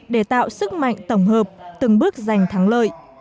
để tạo sức mạnh tổng hợp từng bước giành thắng lợi